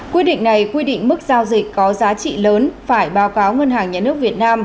quy định này quy định mức giao dịch có giá trị lớn phải báo cáo ngân hàng nhà nước việt nam